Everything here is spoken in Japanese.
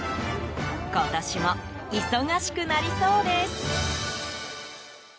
今年も忙しくなりそうです。